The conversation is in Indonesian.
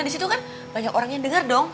nah di situ kan banyak orang yang dengar dong